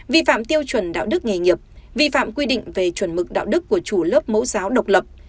vi phạm tiêu chuẩn đạo đức nghề nghiệp vi phạm quy định về chuẩn mực đạo đức của chủ lớp mẫu giáo độc lập